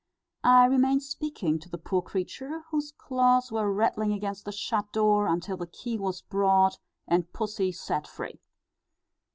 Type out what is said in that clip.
I remained speaking to the poor creature, whose claws were rattling against the shut door, until the key was brought, and pussy set free."